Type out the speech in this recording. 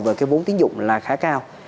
về bốn tín dụng là khá cao